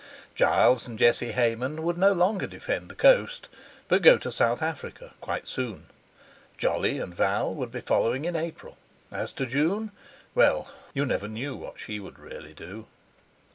Giles and Jesse Hayman would no longer defend the coast but go to South Africa quite soon; Jolly and Val would be following in April; as to June—well, you never knew what she would really do.